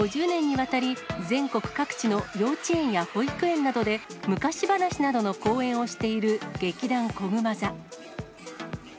５０年にわたり、全国各地の幼稚園や保育園などで、昔話などの公演をしている、劇団こぐま座。